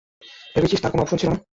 ভেবেছিস তার কোনো অপশন ছিল না?